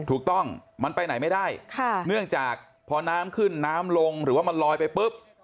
ถูกต้องมันไปไหนไม่ได้ค่ะเนื่องจากพอน้ำขึ้นน้ำลงหรือว่ามันลอยไปปุ๊บ